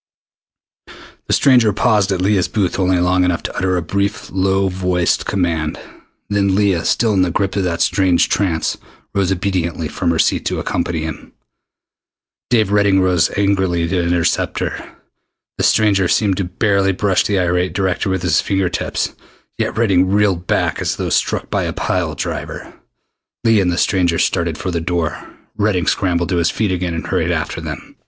The stranger paused at Leah's booth only long enough to utter a brief low voiced command. Then Leah, still in the grip of that strange trance, rose obediently from her seat to accompany him. Dave Redding rose angrily to intercept her. The stranger seemed to barely brush the irate director with his finger tips, yet Redding reeled back as though struck by a pile driver. Leah and the stranger started for the door. Redding scrambled to his feet again and hurried after them.